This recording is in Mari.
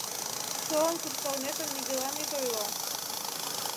«Шылын куржталметым нигӧлан ит ойло!